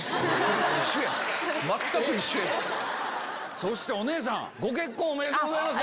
そしてお姉さんご結婚おめでとうございます。